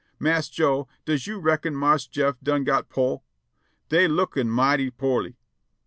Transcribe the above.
Marse Joe, does you reckon JMarse Jeff, done got pore ? Dey lookin* mighty porely."